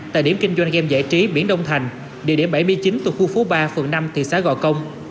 tại điểm kinh doanh gam giải trí biển đông thành địa điểm bảy mươi chín thuộc khu phố ba phường năm thị xã gò công